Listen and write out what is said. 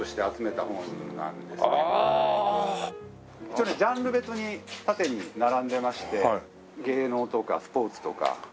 一応ねジャンル別に縦に並んでまして芸能とかスポーツとか。